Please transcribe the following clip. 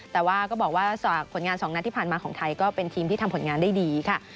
แต่ว่าก็บอกว่าจากผลงาน๒นัดที่ผ่านมาของไทยก็เป็นทีมที่ทำผลงานได้ดีค่ะ